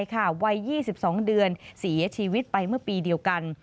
ที่จะไวเยี่สิบสองเดือนเสียชีวิตไปเมื่อปีเดียวกัน